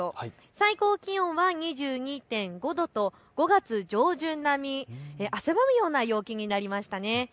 最高気温は２２．５度と５月上旬並み、汗ばむような陽気になりました。